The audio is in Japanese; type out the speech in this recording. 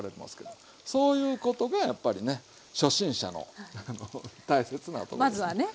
そういうことがやっぱりね初心者の大切なところですね。